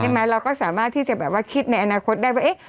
เราก็สามารถที่จะแบบว่าคิดในอนาคตได้ว่าเอ๊ะ